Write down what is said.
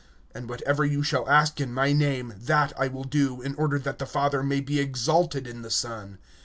(13)And whatever ye shall ask in my name, that I will do, that the Father may be glorified in the Son.